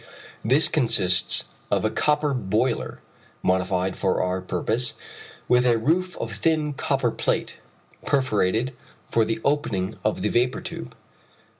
This consists of a copper boiler, modified for our purpose, with a roof of thin copper plate, perforated for the opening of the vapour tube.